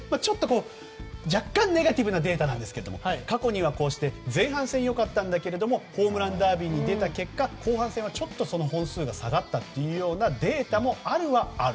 若干ネガティブなデータですが過去には前半戦良かったんだけれどもホームランダービーに出た結果後半戦はちょっと本数が下がったというデータもあるはある。